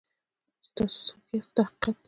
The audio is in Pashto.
چې تاسو څوک یاست دا حقیقت دی.